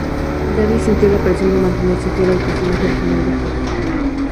Davies sintió la presión de mantenerse fiel al personaje original de Jo.